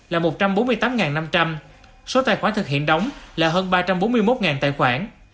là một trăm bốn mươi tám năm trăm linh số tài khoản thực hiện đóng là hơn ba trăm bốn mươi một tài khoản